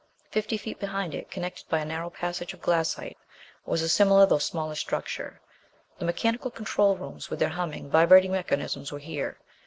Fifty feet behind it, connected by a narrow passage of glassite, was a similar though smaller structure. The mechanical control rooms, with their humming, vibrating mechanisms were here.